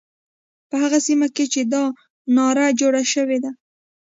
په هغه سیمه کې چې دا ناره جوړه شوې ده.